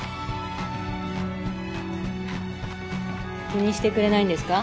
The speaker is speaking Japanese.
気にしてくれないんですか？